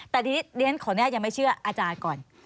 แต่ทีนี้เรียนขออนุญาตยังไม่เชื่ออาจารย์ก่อน